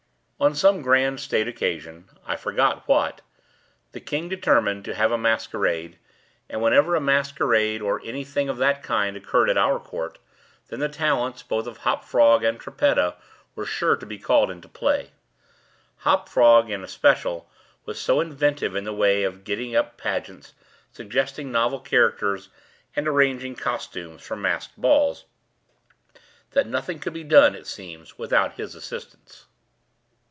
On some grand state occasion—I forgot what—the king determined to have a masquerade, and whenever a masquerade or any thing of that kind, occurred at our court, then the talents, both of Hop Frog and Trippetta were sure to be called into play. Hop Frog, in especial, was so inventive in the way of getting up pageants, suggesting novel characters, and arranging costumes, for masked balls, that nothing could be done, it seems, without his assistance.